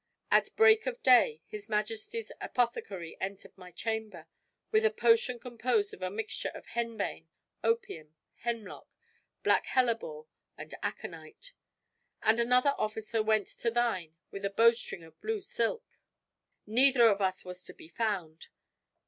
At break of day his majesty's apothecary entered my chamber with a potion composed of a mixture of henbane, opium, hemlock, black hellebore, and aconite; and another officer went to thine with a bowstring of blue silk. Neither of us was to be found.